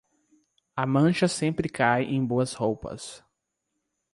A mancha sempre cai em boas roupas.